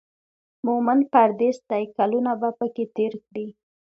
مومن پردېس دی کلونه به پکې تېر کړي.